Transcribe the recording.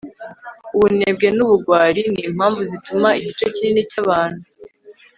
ubunebwe nubugwari nimpamvu zituma igice kinini cyabantu